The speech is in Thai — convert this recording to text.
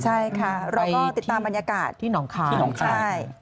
ใช่ค่ะเราก็ติดตามบรรยากาศที่หนองคาย